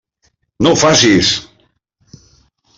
No ho facis!